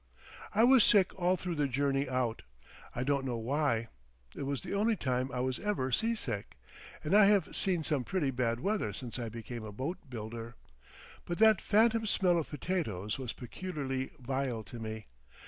I was sick all through the journey out. I don't know why. It was the only time I was ever sea sick, and I have seen some pretty bad weather since I became a boat builder. But that phantom smell of potatoes was peculiarly vile to me.